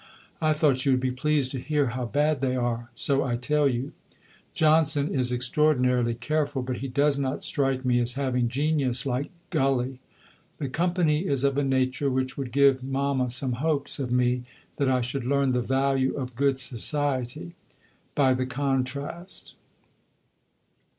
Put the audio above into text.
I thought you would be pleased to hear how bad they are, so I tell you. Johnson is extraordinarily careful, but he does not strike me as having genius like Gully. The company is of a nature which would give Mama some hopes of me that I should learn "the value of good society" by the contrast....